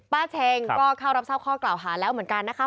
เช็งก็เข้ารับทราบข้อกล่าวหาแล้วเหมือนกันนะคะ